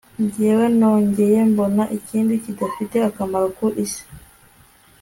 jyewe narongeye mbona ikindi kidafite akamaro ku isi